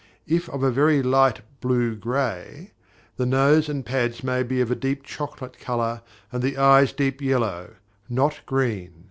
If of a very light blue gray, the nose and pads may be of a deep chocolate colour and the eyes deep yellow, not green.